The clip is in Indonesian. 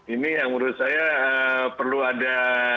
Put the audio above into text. ini yang menurut saya perlu ada